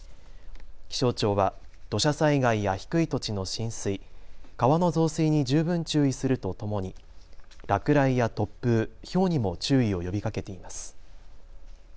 気象庁は土砂災害や低い土地の浸水、川の増水に十分注意するとともに落雷や突風、ひょうにも注意を呼びかけています。